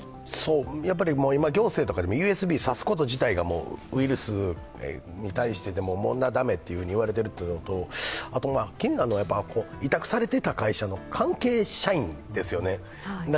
今、行政とかでもＵＳＢをさすこと自体がウイルスに対してでも駄目と言われていることとあと委託されていた会社の関係社員ですよね。